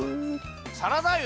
サラダ油。